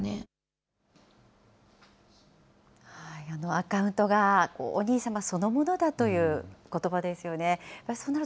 アカウントがお兄様そのものだということばですよね。